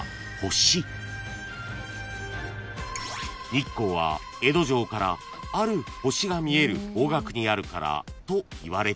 ［日光は江戸城からある星が見える方角にあるからといわれている］